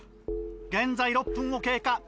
現在６分を経過。